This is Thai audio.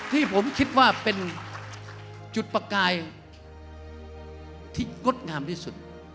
ที่ผมคิดว่าเป็นจุดประกายที่งดงามที่สุด